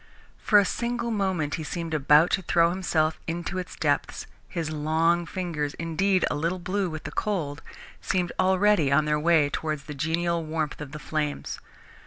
For a single moment he seemed about to throw himself into its depths his long fingers, indeed, a little blue with the cold, seemed already on their way towards the genial warmth of the flames.